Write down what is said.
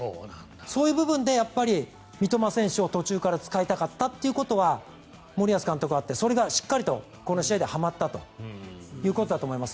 そういう部分で三笘選手を途中から使いたかったというところは森保監督はあってそれがしっかりとこの試合ではまったということだと思います。